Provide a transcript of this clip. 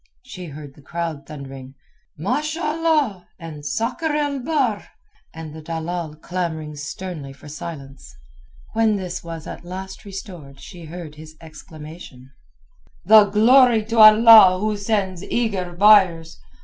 She heard the crowd thundering "Ma'sh'Allah!" and "Sakr el Bahr!" and the dalal clamouring sternly for silence. When this was at last restored she heard his exclamation— "The glory to Allah who sends eager buyers!